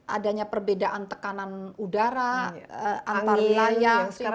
adanya perbedaan tekanan udara antar wilayah